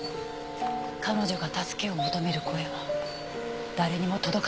彼女が助けを求める声は誰にも届かなかった。